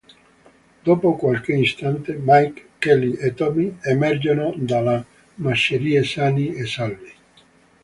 Dopo qualche istante Mike, Kelly e Tommy emergono dalle macerie sani e salvi.